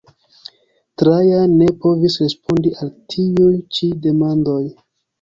Trajan ne povis respondi al tiuj ĉi demandoj.